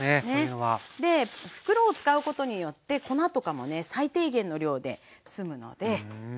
袋を使うことによって粉とかもね最低限の量で済むので。